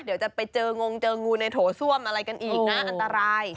เดี๋ยวจะไปเจองงเจองูในโถส้วมอะไรกันอีกนะอันตราย